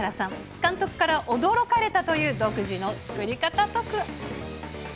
監督から驚かれたという独自の作り方とは。